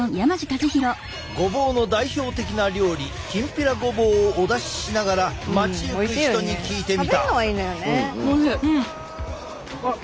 ごぼうの代表的な料理きんぴらごぼうをお出ししながら街行く人に聞いてみた！